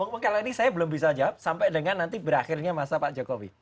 mungkin kali ini saya belum bisa jawab sampai dengan nanti berakhirnya masa pak jacobi